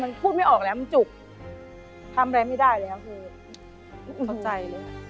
แล้วลุงออกแล้วจุดใจแล้วคุณ